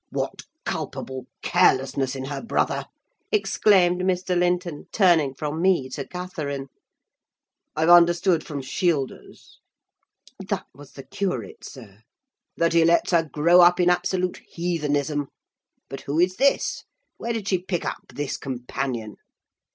"'What culpable carelessness in her brother!' exclaimed Mr. Linton, turning from me to Catherine. 'I've understood from Shielders'" (that was the curate, sir) "'that he lets her grow up in absolute heathenism. But who is this? Where did she pick up this companion?